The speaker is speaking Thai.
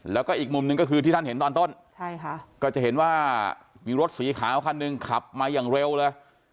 แล้วก็อีกมุมหนึ่งก็คือที่ท่านเห็นตอนต้นก็จะเห็นว่ามีรถสีขาวคันหนึ่งขับมาอย่างเร็วเลย